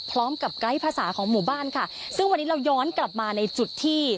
ไกด์ภาษาของหมู่บ้านค่ะซึ่งวันนี้เราย้อนกลับมาในจุดที่